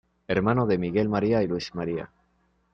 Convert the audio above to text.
Hermano de Miguel María y Luis María.